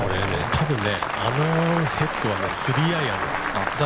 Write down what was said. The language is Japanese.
多分、あのヘッドは３アイアンです。